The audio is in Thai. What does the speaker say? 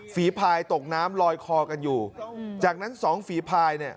ฝีพายตกน้ำลอยคอกันอยู่จากนั้นสองฝีพายเนี่ย